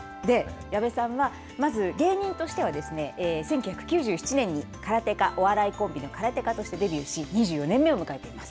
矢部さんはまず芸人としてはですね、１９９７年にカラテカ、お笑いコンビのカラテカとしてデビューし２４年目を迎えています。